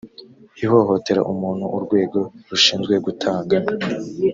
ihohotera umuntu urwego rushinzwe gutanga